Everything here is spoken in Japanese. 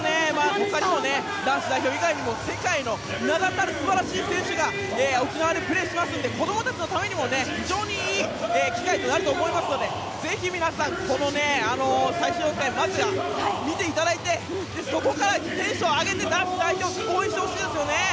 ほかにも、男子代表以外にも世界の名だたる選手たちが沖縄でプレーしますので子どもたちのためにもいい機会になると思いますのでぜひ皆さん、この最終予選まずは見ていただいてそこからテンションを上げて男子代表を応援してほしいですよね。